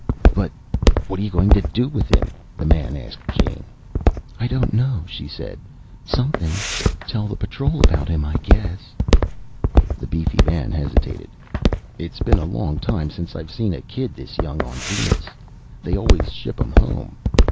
"But what are you going to do with him?" the man asked Jane. "I don't know," she said. "Something. Tell the Patrol about him, I guess." The beefy man hesitated. "It's been a long time since I've seen a kid this young on Venus. They always ship 'em home.